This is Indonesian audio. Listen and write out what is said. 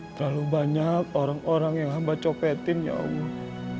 terlalu banyak orang orang yang hamba copetin ya allah